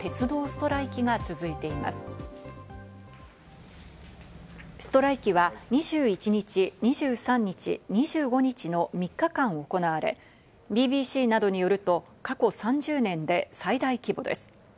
ストライキは２１日、２３日、２５日の３日間行われ、ＢＢＣなどによると過去３０年で最大規模です。